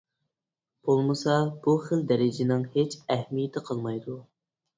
بولمىسا بۇ خىل دەرىجىنىڭ ھېچ ئەھمىيىتى قالمايدۇ.